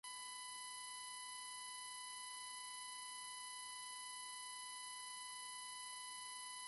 Recibe su nombre del río de esta región francesa: el Ródano.